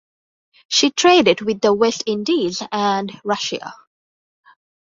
She traded with the West Indies and Russia.